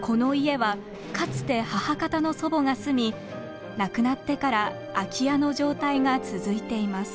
この家はかつて母方の祖母が住み亡くなってから空き家の状態が続いています。